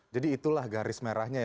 jadi itulah garis merahnya ya